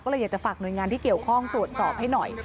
ก็เลยอยากจะฝากหน่วยงานที่เกี่ยวข้องตรวจสอบให้หน่อย